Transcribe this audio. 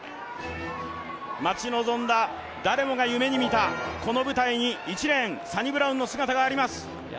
待ち望んだ、誰もが夢に見たこの舞台に１レーン、サニブラウンの姿があります。